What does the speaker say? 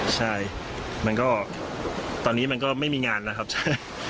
ใช่มันก็ตอนนี้มันก็ไม่มีงานนะครับใช่